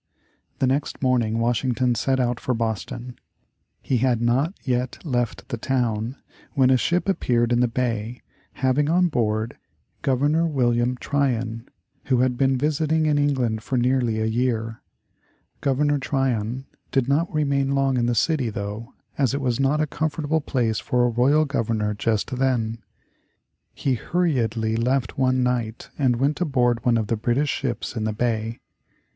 The next morning Washington set out for Boston. He had not yet left the town when a ship appeared in the bay having on board Governor William Tryon, who had been visiting in England for nearly a year. Governor Tryon did not remain long in the city though, as it was not a comfortable place for a royal Governor just then. He hurriedly left one night and went aboard one of the British ships in the bay.